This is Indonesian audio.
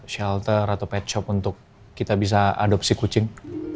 shelter atau pet shop untuk kita bisa adopsi kucing